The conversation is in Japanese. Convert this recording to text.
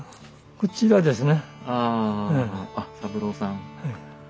こちらですね。